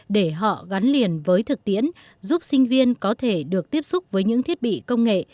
để họ gắn liền với thực tiễn giúp sinh viên có thể được tiếp xúc với những thiết bị công nghệ